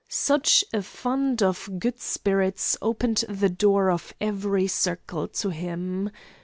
Such a fund of good spirits opened the door of every circle to him.